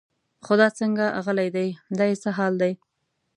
خو دا څنګه غلی دی دا یې څه حال دی.